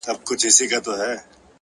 خپلواکي له مسؤلیت سره مل ده